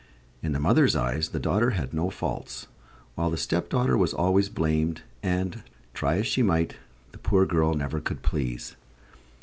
In the mother's eyes the daughter had no faults, while the stepdaughter was always blamed, and, try as she might, the poor girl never could please.